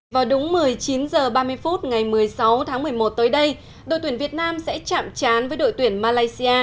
vào đúng một mươi chín h ba mươi phút ngày một mươi sáu tháng một mươi một tới đây đội tuyển việt nam sẽ chạm chán với đội tuyển malaysia